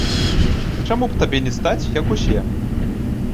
Чаму б табе не стаць, як усе?